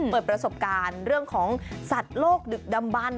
เปิดประสบการณ์เรื่องของสัตว์โลกดึกดำบัน